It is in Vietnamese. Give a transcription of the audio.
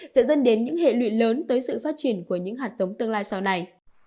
sẽ dân đến những hệ luyện lớn tới sự phát triển của những hạt giống tương lai sau này